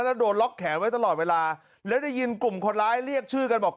แล้วโดนล็อกแขนไว้ตลอดเวลาแล้วได้ยินกลุ่มคนร้ายเรียกชื่อกันบอก